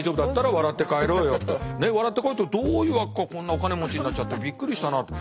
笑って帰ったらどういうわけかこんなお金持ちになっちゃってびっくりしたなって。